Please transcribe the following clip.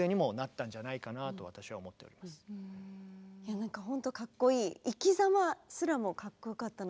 なんかほんとかっこいい。